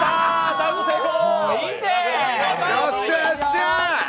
ダウト成功！！